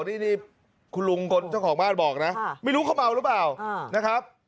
นี่คุณลุงคนเจ้าของบ้านบอกนะไม่รู้เขาเมาหรือเปล่านะครับ